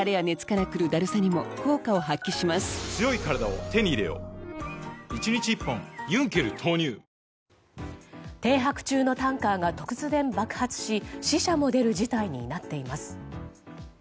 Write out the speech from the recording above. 東京海上日動あんしん生命停泊中のタンカーが突然爆発し死者も出る事態になっています。